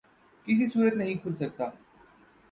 کسی صورت نہیں کھل سکتا